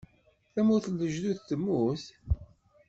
Tamurt n lejdud temmut?